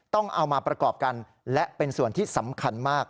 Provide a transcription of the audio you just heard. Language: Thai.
ต้องเอามาประกอบกันและเป็นส่วนที่สำคัญมาก